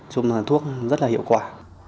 chúng là thuốc rất là hiệu quả